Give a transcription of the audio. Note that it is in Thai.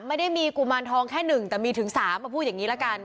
ไม่ได้มีกุมารทองแค่๑แต่มีถึง๓มาพูดอย่างนี้ละกัน